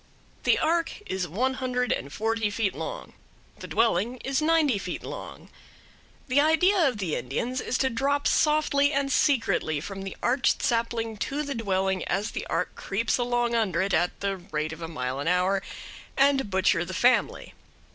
The ark is one hundred and forty feet long; the dwelling is ninety feet long. The idea of the Indians is to drop softly and secretly from the arched sapling to the dwelling as the ark creeps along under it at the rate of a mile an hour, and butcher the family.